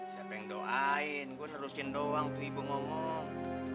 siapa yang doain gue nerusin doang tuh ibu ngomong